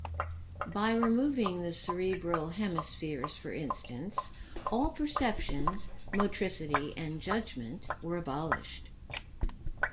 By removing the cerebral hemispheres, for instance, all perceptions, motricity, and judgment were abolished.